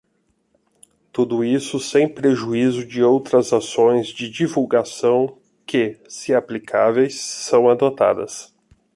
Tudo isso sem prejuízo de outras ações de divulgação que, se aplicáveis, são adotadas.